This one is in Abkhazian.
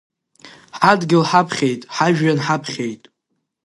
Ҳадгьыл ҳаԥхьеит, ҳажәҩан ҳаԥхьеит…